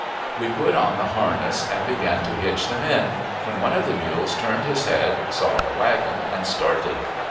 We put on the harness, and began to hitch them in, when one of the mules turned his head, saw the wagon, and started.